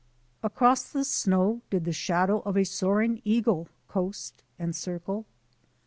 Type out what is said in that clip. Across the snow did the shadow of a soaring eagle coast and circle?